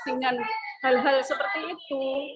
dengan hal hal seperti itu